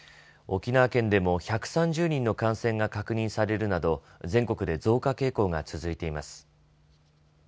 沖縄県でも１３０人の感染が確認されるなど全国で増加傾向が続いています。